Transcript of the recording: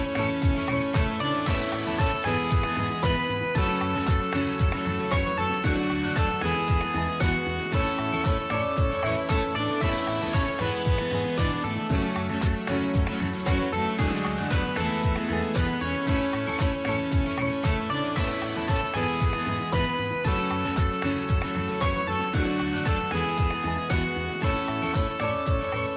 โปรดติดตามตอนต่อไป